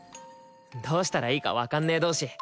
どうしたらいいか分かんねえ同士